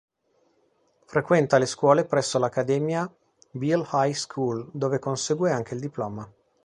Frequenta le scuole presso l'accademia "Beal High School", dove consegue anche il diploma.